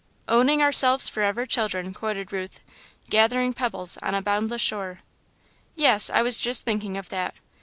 "'Owning ourselves forever children,' quoted Ruth, "'gathering pebbles on a boundless shore.'" "Yes, I was just thinking of that.